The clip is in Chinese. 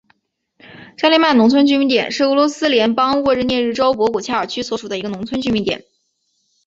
扎利曼农村居民点是俄罗斯联邦沃罗涅日州博古恰尔区所属的一个农村居民点。